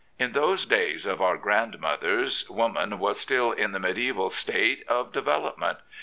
In those days of our grandmothers, woman was still in the mediaeval state of development.